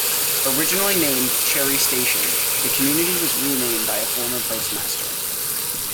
Originally named Cherry Station, the community was renamed by a former postmaster.